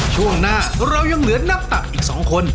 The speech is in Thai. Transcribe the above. ช่วงหน้าเรายังเหลือนักตักอีก๒คน